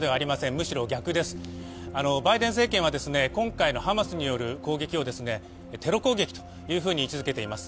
むしろ逆です、バイデン政権は今回のハマスによる攻撃をテロ攻撃というふうに位置づけています。